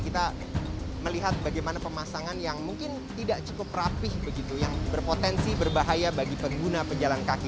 kita melihat bagaimana pemasangan yang mungkin tidak cukup rapih begitu yang berpotensi berbahaya bagi pengguna pejalan kaki